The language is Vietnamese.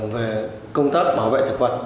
về công tác bảo vệ thực vật